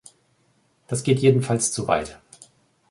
Das geht jedenfalls zu weit.